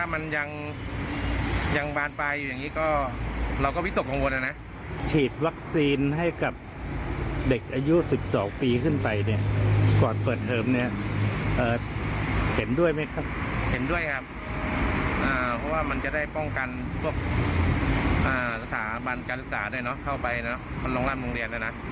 มันการศึกษาด้วยเนอะเข้าไปเนอะมันลงร่านมุมเรียนด้วยนะ